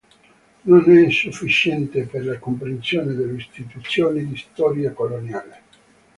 Non è sufficiente per la comprensione delle istituzioni di storia coloniale.